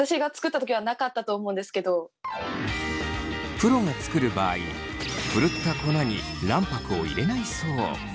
プロが作る場合ふるった粉に卵白を入れないそう。